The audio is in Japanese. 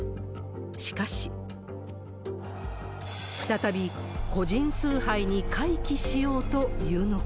しかし、再び個人崇拝に回帰しようというのか。